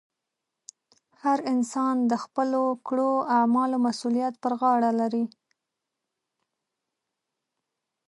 هر انسان د خپلو کړو اعمالو مسؤلیت پر غاړه لري.